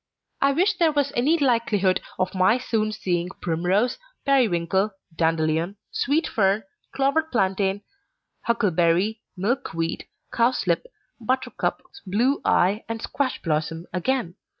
I wish there were any likelihood of my soon seeing Primrose, Periwinkle, Dandelion, Sweet Fern, Clover Plantain, Huckleberry, Milkweed, Cowslip, Buttercup, Blue Eye, and Squash Blossom again.